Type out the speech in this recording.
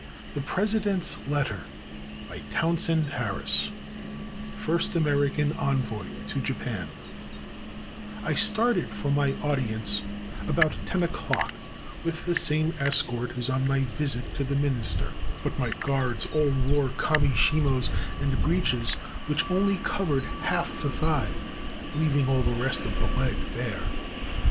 THE PRESIDENT'S LETTER BY TOWNSEND HARRIS, FIRST AMERICAN ENVOY TO JAPAN I STARTED for my audience about ten o'clock with the same escort as on my visit to the Minister, but my guards all wore kami shimos and breeches which only covered half the thigh, leaving all the rest of the leg bare.